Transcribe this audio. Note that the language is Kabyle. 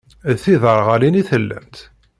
D tiderɣalin i tellamt?